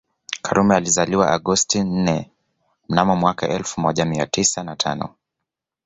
Karume alizaliwa Agosti nne mnamo mwaka elfu moja mia tisa na tano